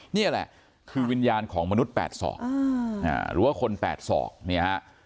นี่แหละคือวิญญาณของมนุษย์๘ศอกหรือว่าคน๘ศอกเนี่ยฮะ